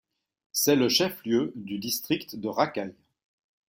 C'est le chef-lieu duDistrict de Rakai.